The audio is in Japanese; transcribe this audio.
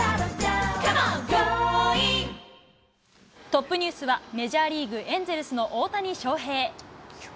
トップニュースは、メジャーリーグ・エンゼルスの大谷翔平。